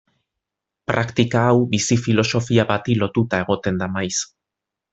Praktika hau bizi-filosofia bati lotuta egoten da maiz.